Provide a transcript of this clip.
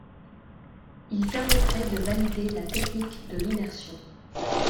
Il permettrait de valider la technique de l’immersion.